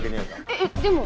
えっでも。